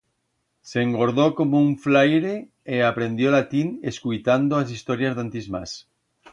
S'engordó como un flaire e aprendió latín escuitando as historias d'antis mas.